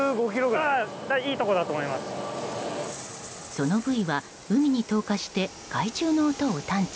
ソノブイは、海に投下して海中の音を探知。